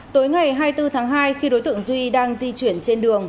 tối ngày hai mươi bốn tháng hai khi đối tượng duy đang di chuyển trên đường